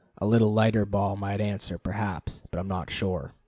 A little lighter ball might answer, perhaps, but I am not sure.